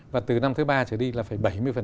và từ năm thứ ba trở đi là phải bảy mươi